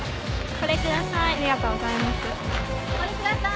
これください！